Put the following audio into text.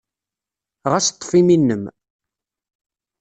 Ɣas ḍḍef imi-nnem.